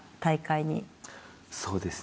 そうですね。